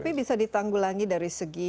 tapi bisa ditanggulangi dari segi